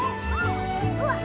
うわっ。